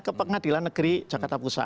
ke pengadilan negeri jakarta pusat